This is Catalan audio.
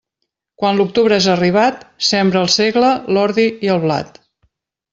Quan l'octubre és arribat, sembra el segle, l'ordi i el blat.